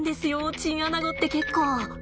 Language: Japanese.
チンアナゴって結構。